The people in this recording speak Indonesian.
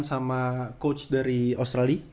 sama coach dari australia